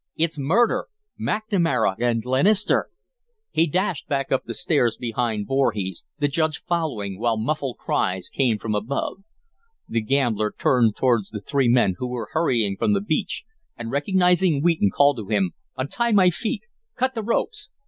"It's murder! McNamara and Glenister!" He dashed back up the steps behind Voorhees, the Judge following, while muffled cries came from above. The gambler turned towards the three men who were hurrying from the beach, and, recognizing Wheaton, called to him: "Untie my feet! Cut the ropes!